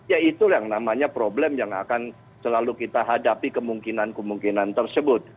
ya itu yang namanya problem yang akan selalu kita hadapi kemungkinan kemungkinan tersebut